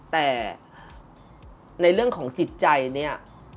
แต่ในเรื่องสิทธิ์ใจนี้